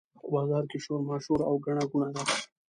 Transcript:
په بازار کې شورماشور او ګڼه ګوڼه ده.